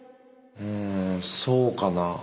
うんそうかな。